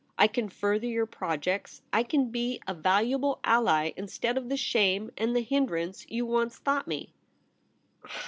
I can further your projects. I can be a valuable ally instead of the shame and the hindrance you once thought me.'